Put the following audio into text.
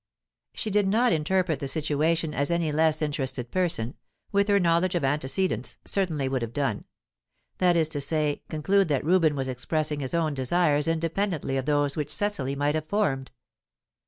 She did not interpret the situation as any less interested person, with her knowledge of antecedents, certainly would have done; that is to say, conclude that Reuben was expressing his own desires independently of those which Cecily might have formed.